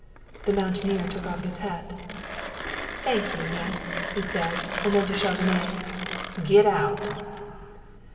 The mountaineer took off his hat. "Thank ye, Miss," he said; and then to Chauvenet: "Get out!"